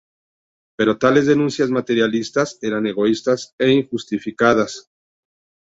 Pero tales denuncias materialistas eran egoístas e injustificadas.